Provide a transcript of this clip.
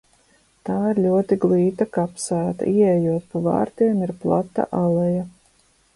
Tā ir ļoti glīta kapsēta – ieejot pa vārtiem ir plata aleja.